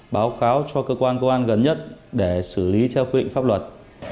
báo cáo cho cơ quan công an gần nhất để xử lý theo quy định pháp luật